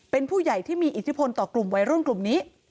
เป็นผู้ใหญ่ที่มีอิทธิพลต่อกลุ่มวัยรุ่นกลุ่มนี้